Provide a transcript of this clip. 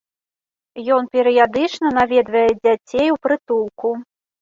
Ён перыядычна наведвае дзяцей у прытулку.